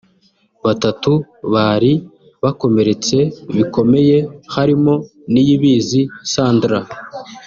Batatu bari bakomeretse bikomeye harimo Niyibizi Sandra